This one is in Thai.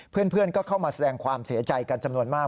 เพื่อนก็เข้ามาแสดงความเสียใจกันจำนวนมาก